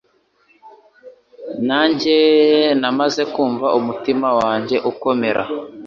Nanjye namaze kumva umutima wanjye ukomera